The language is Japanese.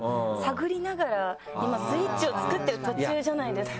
今スイッチを作ってる途中じゃないですか。